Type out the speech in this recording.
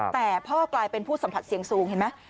แต่พ่อกลายเป็นผู้สัมผัสเสียงสูง